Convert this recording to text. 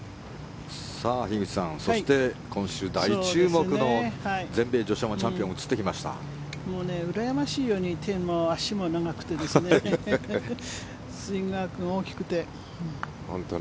樋口さん、そして今週大注目の全米女子プロチャンピオンがうらやましいように手も足も長くてスイングアークが大きくて。